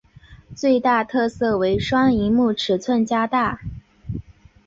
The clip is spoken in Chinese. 最大特色为双萤幕尺寸加大。